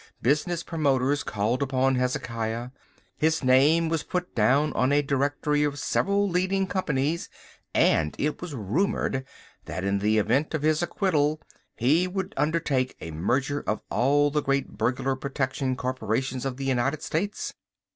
Business promoters called upon Hezekiah. His name was put down as a director of several leading companies, and it was rumoured that in the event of his acquittal he would undertake a merger of all the great burglar protection corporations of the United States.